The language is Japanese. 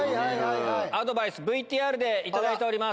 アドバイス、ＶＴＲで頂いております。